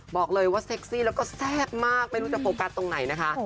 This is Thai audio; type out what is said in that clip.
บอกเลยว่าเซ็กซี่แล้วก็แซ่บมากไม่รู้จะโฟกัสตรงไหนนะคะ